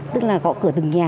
tức là có cửa từng nhà